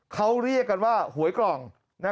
เขาเรียกกันว่าหวยกล่อง